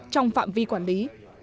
trong phạm vi quản lý